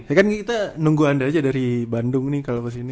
ya kan kita nunggu anda aja dari bandung nih kalo pas ini